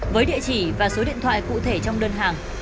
với địa chỉ và số điện thoại cụ thể trong đơn hàng